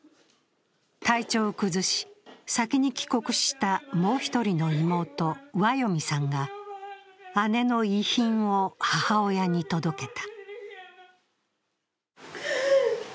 体調を崩し、先に帰国したもう一人の妹、ワヨミさんが姉の遺品を母親に届けた。